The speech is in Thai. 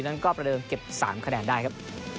นั้นก็ประเดิมเก็บ๓คะแนนได้ครับ